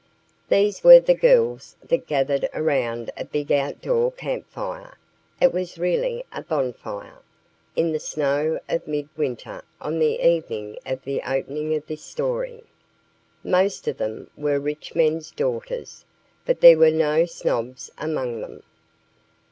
These were the girls that gathered around a big out door campfire it was really a bonfire in the snow of mid winter on the evening of the opening of this story. Most of them were rich men's daughters, but there were no snobs among them.